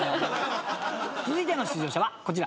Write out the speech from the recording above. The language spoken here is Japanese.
続いての出場者はこちら。